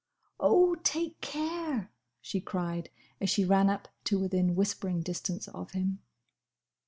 "Oh! take care!" she cried, as she ran up to within whispering distance of him.